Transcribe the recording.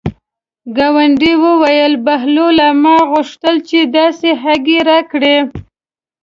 ګاونډي یې وویل: بهلوله ما غوښتل چې داسې هګۍ راکړې.